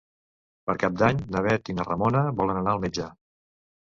Per Cap d'Any na Bet i na Ramona volen anar al metge.